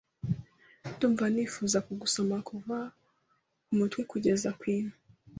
dumva nifuza kugusoma kuva ku mutwe kugeza kw’ino